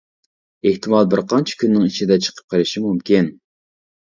ئېھتىمال بىر قانچە كۈننىڭ ئىچىدە چىقىپ قېلىشى مۇمكىن.